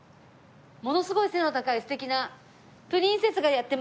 ものすごい背の高い素敵なプリンセスがやって参りました。